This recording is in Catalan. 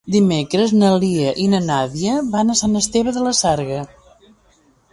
Dimecres na Laia i na Nàdia van a Sant Esteve de la Sarga.